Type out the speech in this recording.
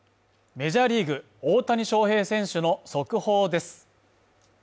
メジャーリーグ大谷翔平選手の速報です。